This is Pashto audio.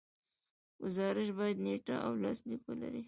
ګزارش باید نیټه او لاسلیک ولري.